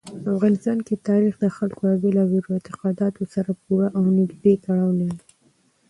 افغانستان کې تاریخ د خلکو له بېلابېلو اعتقاداتو سره پوره او نږدې تړاو لري.